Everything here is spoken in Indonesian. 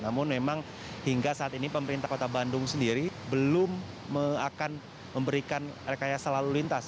namun memang hingga saat ini pemerintah kota bandung sendiri belum akan memberikan rekayasa lalu lintas